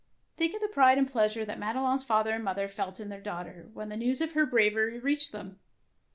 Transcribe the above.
Think of the pride and pleasure that Madelon's father and mother felt in their daughter when the news of her bravery reached them